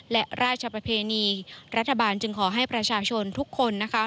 และราชประเพณีรัฐบาลจึงขอให้ประชาชนทุกคนนะคะ